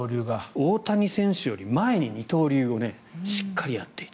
大谷選手より前に二刀流をしっかりやっていた。